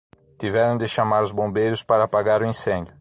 Tiveram de chamar os bombeiros para apagar o incêndio